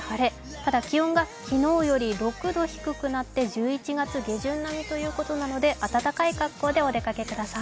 ただ気温が昨日より６度低くなって１１月下旬並みということなので暖かい格好でお出かけください。